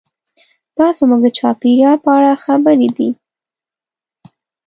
دا زموږ د چاپیریال په اړه خبرې دي.